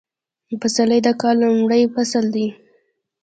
پسرلی د کال لومړی فصل دی